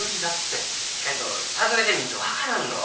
けんど訪ねてみんと分からんろう。